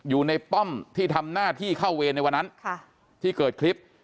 ป้อมที่ทำหน้าที่เข้าเวรในวันนั้นที่เกิดคลิป